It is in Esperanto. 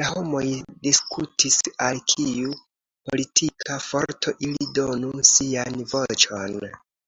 La homoj diskutis al kiu politika forto ili donu sian voĉon.